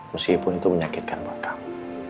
meskipun itu menyakitkan buat kami